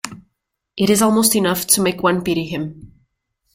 It is almost enough to make one pity him.